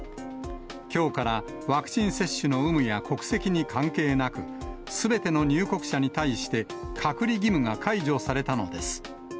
きょうからワクチン接種の有無や国籍に関係なく、すべての入国者に対して、隔離義務が解除されたのです。